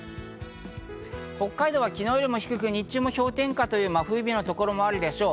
北海道は昨日よりも低く、日中は氷点下という真冬日のところもあるでしょう。